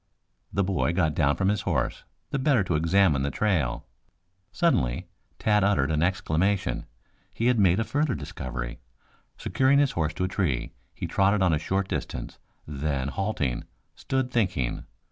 The boy got down from his horse the better to examine the trail. Suddenly Tad uttered an exclamation. He had made a further discovery. Securing his horse to a tree, he trotted on a short distance, then halting, stood thinking.